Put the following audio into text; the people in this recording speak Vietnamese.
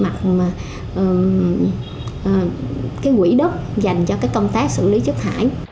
thì nó còn có những cái áp lực về mặt cái quỹ đốc dành cho cái công tác xử lý chất thải